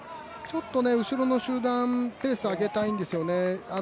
後ろの集団、ペースを上げたいんですよね。